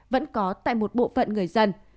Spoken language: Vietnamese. vẫn có tại một bộ phận người dân